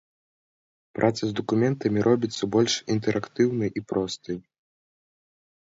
Праца з дакументамі робіцца больш інтэрактыўнай і простай.